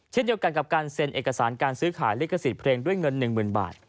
เช่นเดียวกันกับการเซ็นเอกสารการซื้อขายลิขสิทธิ์เพลงด้วยเงิน๑๐๐๐บาท